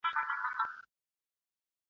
دله غل د کور مالت نه غلا کوي ..